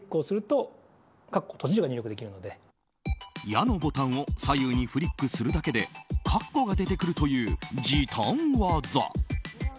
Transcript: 「や」のボタンを左右にフリックするだけでかっこが出てくるという時短技。